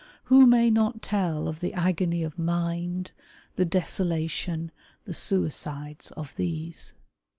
Who may not tell of the agony of mind, the desolation, the suicides of these